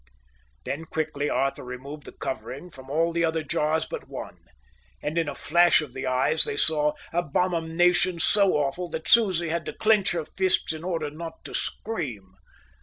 Then quickly Arthur removed the covering from all the other jars but one; and in a flash of the eyes they saw abominations so awful that Susie had to clench her fists in order not to scream.